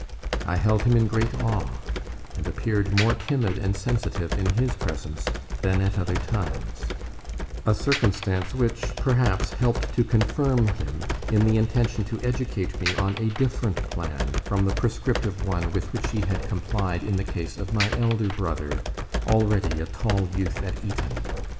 I held him in great awe, and appeared more timid and sensitive in his presence than at other times; a circumstance which, perhaps, helped to confirm him in the intention to educate me on a different plan from the prescriptive one with which he had complied in the case of my elder brother, already a tall youth at Eton.